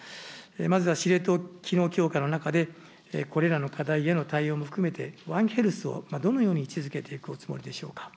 まずは司令塔機能強化の中で、これらの課題への対応も含めて、ワンヘルスをどのように位置づけていくおつもりでしょうか。